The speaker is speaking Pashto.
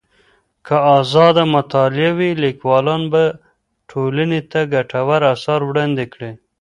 که ازاده مطالعه وي، ليکوالان به ټولني ته ګټور اثار وړاندې کړي.